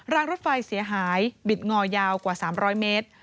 รางรถไฟเสียหายบิดงอยาวกว่า๓๐๐เมตร